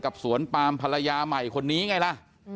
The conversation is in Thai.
สวนปามภรรยาใหม่คนนี้ไงล่ะ